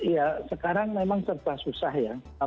ya sekarang memang serba susah ya